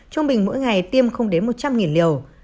trung bình mỗi ngày tiêm không đến một trăm linh liều